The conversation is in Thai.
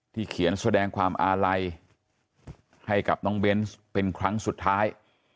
เขียนแสดงความอาลัยให้กับน้องเบนส์เป็นครั้งสุดท้าย